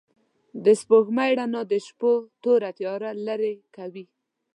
د سپوږمۍ رڼا د شپو توره تياره لېرې کوي.